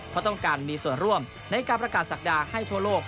เพราะต้องการมีส่วนร่วมในการประกาศศักดาให้ทั่วโลก